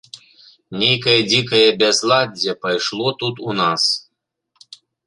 Нейкае дзікае бязладдзе пайшло тут у нас.